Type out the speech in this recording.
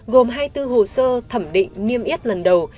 gồm hai mươi bốn hồ sơ thẩm định niêm yết lần đầu